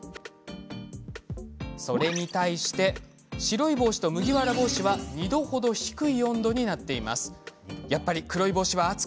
それに対して白い帽子と麦わら帽子は２度程、低い温度になっています。